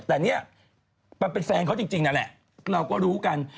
แต่เนี่ยมันเป็นแฟนเขาจริงนั่นแหละเราก็รู้กัน